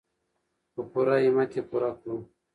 په پوره همت یې پوره کړو.